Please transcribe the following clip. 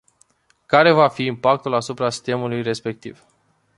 Care va fi impactul asupra sistemului respectiv?